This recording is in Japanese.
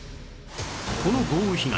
この豪雨被害